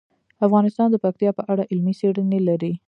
افغانستان د پکتیا په اړه علمي څېړنې لري.